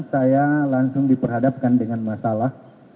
saya langsung diperhadapkan dengan masalah